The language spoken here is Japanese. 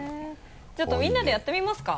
ちょっとみんなでやってみますか？